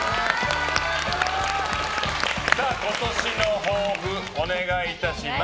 今年の抱負、お願いいたします。